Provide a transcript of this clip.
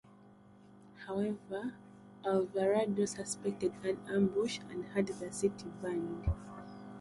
However, Alvarado suspected an ambush and had the city burned.